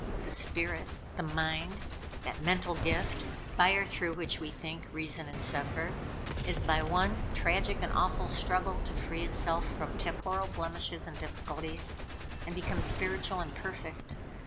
The Spirit the Mind that mental gift, by or through which we think, reason, and suffer, is by one tragic and awful struggle to free itself from temporal blemishes and difficulties, and become spiritual and perfect.